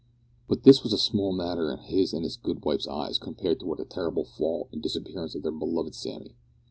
But this was a small matter in his and his good wife's eyes compared with the terrible fall and disappearance of their beloved Sammy.